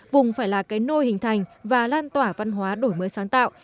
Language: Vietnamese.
vùng phải là cái nôi hình thành và lan tỏa văn hóa đổi mới sáng tạo